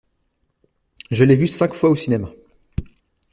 Je l'ai vu cinq fois au cinéma.